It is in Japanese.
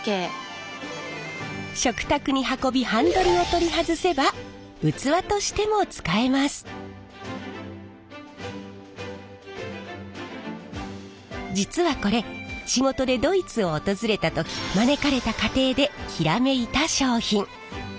食卓に運びハンドルを取り外せば実はこれ仕事でドイツを訪れた時招かれた家庭でひらめいた商品。